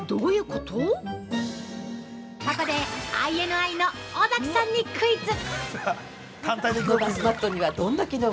ここでＩＮＩの尾崎さんにクイズ！